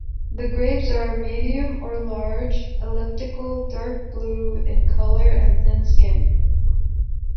The grapes are medium or large, elliptical, dark blue in color and thin skin.